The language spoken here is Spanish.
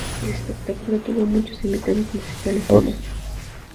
El espectáculo tuvo muchos invitados musicales famosos.